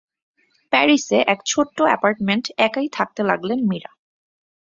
প্যারিসে এক ছোট্ট অ্যাপার্টমেন্ট একাই থাকতে লাগলেন মীরা।